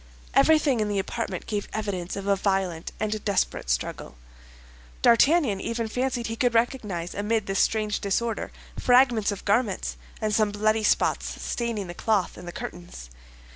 Everything in the apartment gave evidence of a violent and desperate struggle. D'Artagnan even fancied he could recognize amid this strange disorder, fragments of garments, and some bloody spots staining the cloth and the curtains.